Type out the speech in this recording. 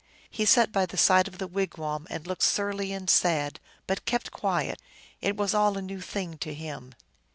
He sat by the side of the wigwam, and looked surly and sad, but kept quiet. It was all a new thing to him.